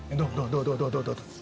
どうどうどうどう？